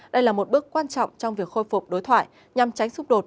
đây là một bước quan trọng trong việc khôi phục đối thoại nhằm tránh xung đột